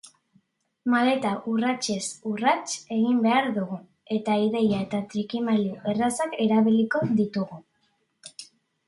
Maleta urratsez urrats egin behar dugu, eta ideia eta trikimailu errazak erabiliko ditugu.